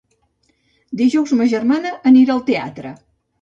Dijous ma germana anirà al teatre.